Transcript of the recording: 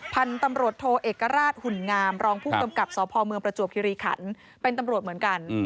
พันธุ์ตำรวจโทเอกราชหุ่นงามรองผู้กำกับสพเมืองประจวบคิริขันเป็นตำรวจเหมือนกัน